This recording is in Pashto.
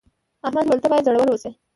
احمد وویل ته باید زړور اوسې.